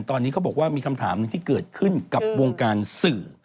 ตอนนี้เขาบอกว่ามีคำถามหนึ่งที่เกิดขึ้นกับวงการสื่อ